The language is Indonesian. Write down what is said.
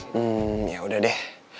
hmm yaudah deh